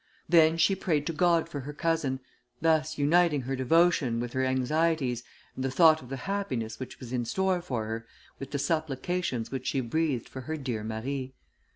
Then she prayed to God for her cousin, thus uniting her devotion with her anxieties, and the thought of the happiness which was in store for her, with the supplications which she breathed for her dear Marie.